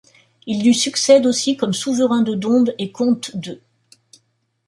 Il lui succède aussi comme souverain de Dombes et comte d'Eu.